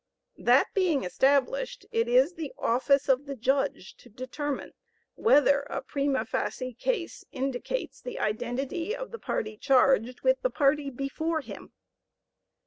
That being established, it is the office of the judge, to determine whether a prima facie case indicates the identity of the party charged, with the party before him.